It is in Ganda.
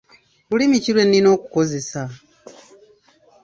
Lulimi ki lwe nnina okukozesa?